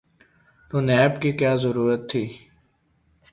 تو نیب کی کیا ضرورت تھی؟